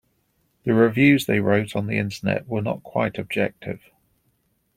The reviews they wrote on the Internet were not quite objective.